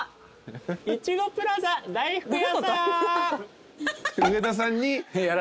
いちごプラザ大福やさん。